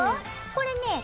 これね